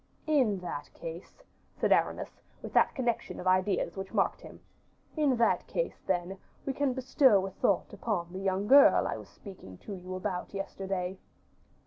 "In that case," said Aramis, with that connection of ideas which marked him, "in that case, then, we can bestow a thought upon the young girl I was speaking to you about yesterday."